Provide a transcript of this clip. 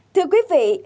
thưa quý vị